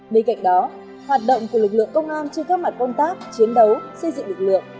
bên cạnh đó hoạt động của lực lượng công an trên các mặt công tác chiến đấu xây dựng lực lượng